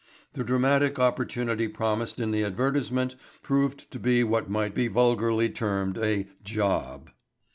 The dramatic opportunity promised in the advertisement proved to be what might be vulgarly termed a "job."